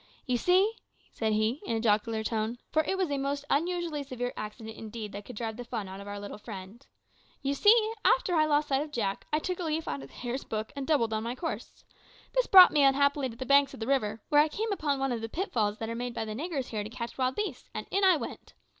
"You see," said he, in a jocular tone, for it was a most unusually severe accident indeed that could drive the fun out of our little friend "you see, after I lost sight of Jack, I took a leaf out of the hare's book, and doubled on my course. This brought me, unhappily, to the banks of the river, where I came upon one of the pitfalls that are made by the niggers here to catch wild beasts, and in I went.